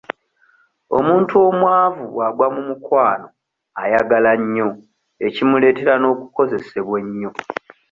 Omuntu omwavu bw'agwa mu mukwano ayagala nnyo ekimuleetera n'okukozesebwa ennyo.